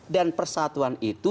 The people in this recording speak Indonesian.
dan persatuan itu